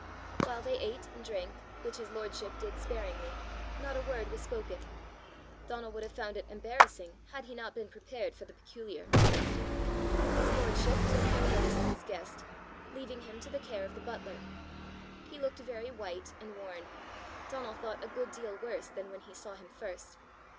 While they ate and drank, which his lordship did sparingly, not a word was spoken. Donal would have found it embarrassing had he not been prepared for the peculiar. His lordship took no notice of his guest, leaving him to the care of the butler. He looked very white and worn Donal thought a good deal worse than when he saw him first.